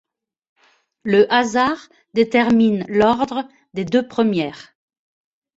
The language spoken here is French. Le hasard détermine l'ordre des deux premières.